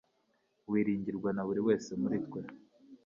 Wiringirwa na buri wese muri twe.